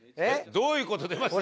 「どういう事？」出ました。